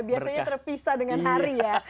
biasanya terpisah dengan hari ya